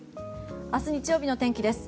明日日曜日の天気です。